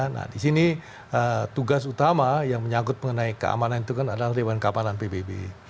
nah di sini tugas utama yang menyangkut mengenai keamanan itu kan adalah dewan keamanan pbb